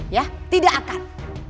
ya tidak akan